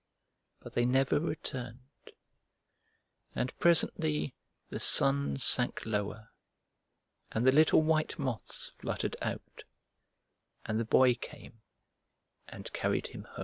But they never returned, and presently the sun sank lower and the little white moths fluttered out, and the Boy came and carried him home.